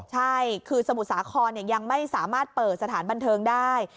ใช่คือสมุทรสาครยังไม่สามารถเปิดสถานบันเทิงได้